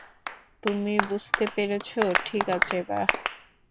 তুমি বুঝতে পেরেছ - ঠিক আছে, বাহ।